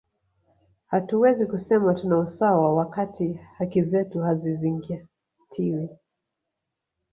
hatuwezi kusema tuna usawa wakati haki zetu hazizingztiwi